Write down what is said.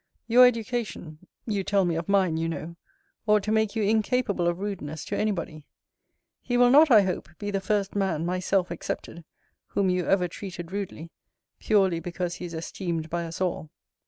Your education (you tell me of mine, you know) ought to make you incapable of rudeness to any body. He will not, I hope, be the first man, myself excepted, whom you ever treated rudely, purely because he is esteemed by us all.